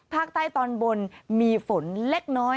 ภาคใต้ตอนบนมีฝนเล็กน้อย